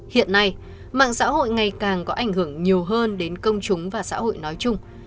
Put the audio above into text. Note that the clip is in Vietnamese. hiện nay mạng xã hội ngày càng có ảnh hưởng nhiều hơn đến công chúng và xã hội nói chung